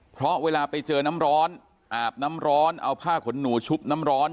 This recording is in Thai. เพราะเวลาไปเจอน้ำร้อนอาบน้ำร้อนเอาผ้าขนหนูชุบน้ำร้อน